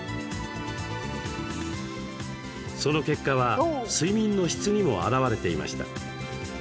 その結果は睡眠の質にも表れていました。